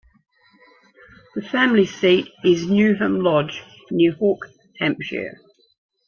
The family seat is Newham Lodge, near Hook, Hampshire.